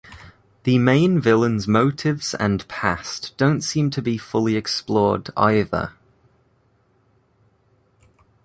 The main villain's motives and past don't seem to be fully explored, either.